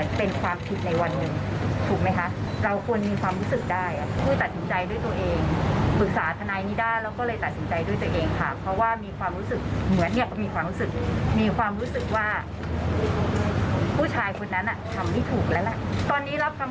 จะเอาไปให้โรงพยาบาลแล้วก็ตั้งใจไว้แล้วโทษ